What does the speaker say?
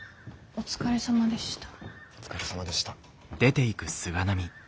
お疲れさまでした。